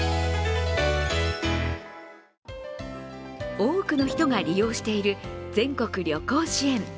多くの人が利用している全国旅行支援。